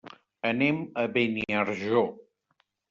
Anem a Beniarjó.